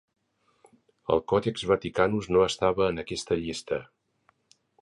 El Codex Vaticanus no estava en aquesta llista.